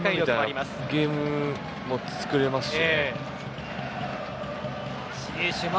ゲームも作れますしね。